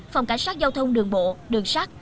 phòng cảnh sát giao thông đường bộ đường sát